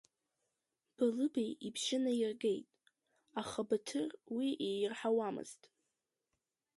Балыбеи ибжьы наиргеит, аха Баҭыр уи иирҳауамызт.